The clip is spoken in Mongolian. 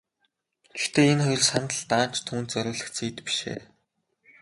Гэхдээ энэ хоёр сандал даанч түүнд зориулагдсан эд биш ээ.